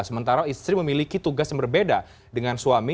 sementara istri memiliki tugas yang berbeda dengan suami